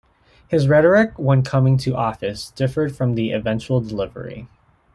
His rhetoric when coming to office differed from the eventual delivery.